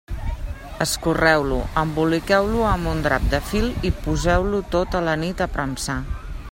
Escorreu-lo, emboliqueu-lo amb un drap de fil i poseu-lo tota la nit a premsar.